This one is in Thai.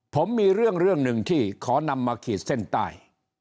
ผมมีเรื่องหนึ่งที่ขอนำมาขีดเส้นใต้